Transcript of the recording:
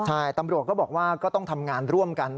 ใช่ตำรวจก็บอกว่าก็ต้องทำงานร่วมกัน